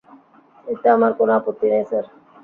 এতে আমার কোন আপত্তি নেই, স্যার।